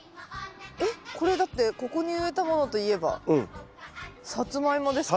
えっこれだってここに植えたものといえばサツマイモですか？